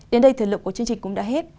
đến đây thời lượng của chương trình cũng đã hết